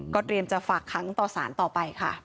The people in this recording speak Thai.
เตรียมจะฝากค้างต่อสารต่อไปค่ะ